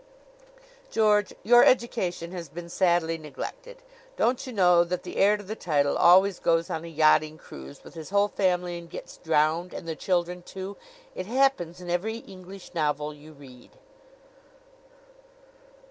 "George, your education has been sadly neglected. Don't you know that the heir to the title always goes on a yachting cruise, with his whole family, and gets drowned and the children too? It happens in every English novel you read."